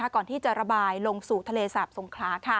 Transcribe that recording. ก่อนที่จะระบายลงสู่ทะเลสาบสงขลา